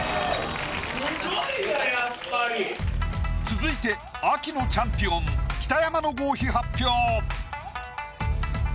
続いて秋のチャンピオン北山の合否発表。